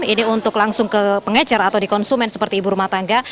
ini untuk langsung ke pengecer atau di konsumen seperti ibu rumah tangga